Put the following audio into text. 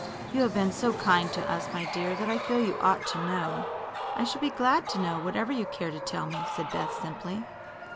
You have been so kind to us, my dear, that I feel you ought to know." "I shall be glad to know whatever you care to tell me," said Beth, simply.